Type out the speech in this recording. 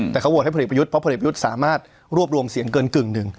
แต่เขาโหวตให้พลเอกประยุทธ์เพราะผลเอกประยุทธ์สามารถรวบรวมเสียงเกินกึ่งหนึ่ง